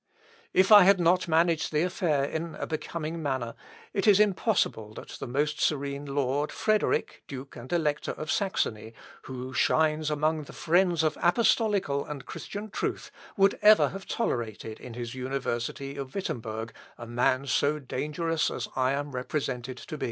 If I had not managed the affair in a becoming manner, it is impossible that the most serene lord Frederick, Duke and Elector of Saxony, who shines among the friends of apostolical and Christian truth, would ever have tolerated in his university of Wittemberg a man so dangerous as I am represented to be.